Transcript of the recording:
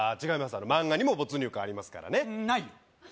あの漫画にも没入感ありますからねないよ